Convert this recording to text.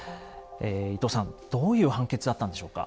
伊藤さんどういう判決だったんでしょうか？